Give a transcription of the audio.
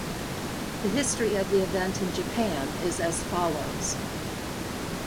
The history of the event in Japan is as follows.